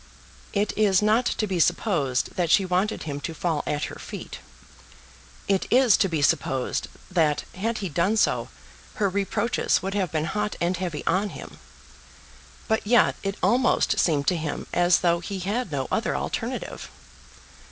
It is not to be supposed that she wanted him to fall at her feet. It is to be supposed that had he done so her reproaches would have been hot and heavy on him; but yet it almost seemed to him as though he had no other alternative.